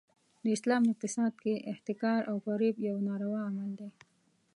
د اسلام اقتصاد کې احتکار او فریب یو ناروا عمل دی.